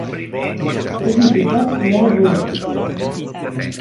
És un xicot molt esboirat.